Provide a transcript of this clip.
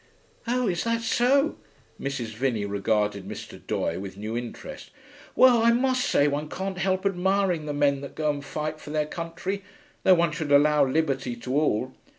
'Oh, is that so?' Mrs. Vinney regarded Mr. Doye with new interest. 'Well, I must say one can't help admiring the men that go and fight for their country, though one should allow liberty to all....